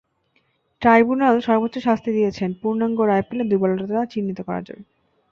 Tribunal সর্বোচ্চ শাস্তি দিয়েছিলেন, পূর্ণাঙ্গ রায় পেলে দুর্বলতাটা চিহ্নিত করা যাবে।